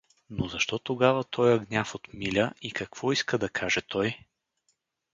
Но защо тогава тоя гняв от Миля и какво иска да каже той?